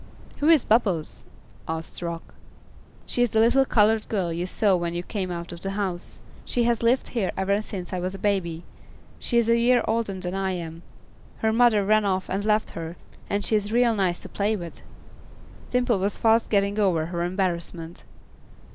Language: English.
"Who is Bubbles?" asked Rock. "She is the little colored girl you saw when you came out of the house; she has lived here ever since I was a baby; she is a year older than I am; her mother ran off and left her, and she is real nice to play with." Dimple was fast getting over her embarrassment.